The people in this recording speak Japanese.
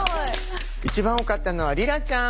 一番多かったのは莉良ちゃん。